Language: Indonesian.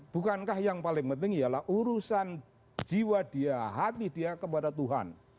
bukankah yang paling penting ialah urusan jiwa dia hati dia kepada tuhan